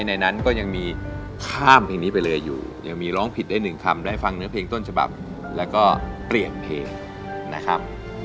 ในนั้นก็ยังมีข้ามเพลงนี้ไปเลยอยู่ยังมีร้องผิดได้หนึ่งคำได้ฟังเนื้อเพลงต้นฉบับแล้วก็เปลี่ยนเพลงนะครับ